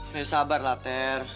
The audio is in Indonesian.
ya sabarlah ter